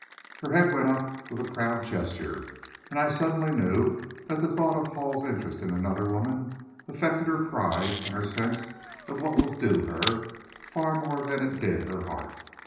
Her head went up with a proud gesture, and I suddenly knew that the thought of Hall's interest in another woman, affected her pride and her sense of what was due her, far more than it did her heart.